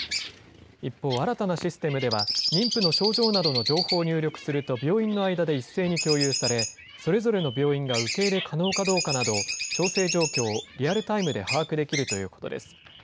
一方、新たなシステムでは、妊婦の症状などの情報を入力すると、病院の間で一斉に共有され、それぞれの病院が受け入れ可能かどうかなど、調整状況をリアルタイムで把握できるということです。